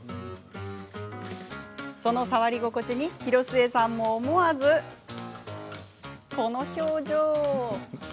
その触り心地に広末さんも思わずこの表情。